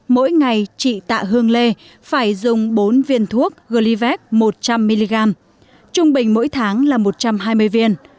mỗi ngày chị tạ hương lê phải dùng bốn viên thuốc glivec một trăm linh mg trung bình mỗi tháng là một trăm hai mươi viên